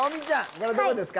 これどこですか？